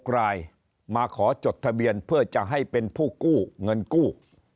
๖รายมาขอจดทะเบียนเพื่อจะให้เป็นผู้กู้เงินกู้